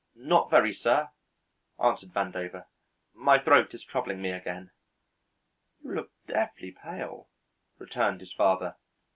"Not very, sir," answered Vandover. "My throat is troubling me again." "You look deathly pale," returned his father.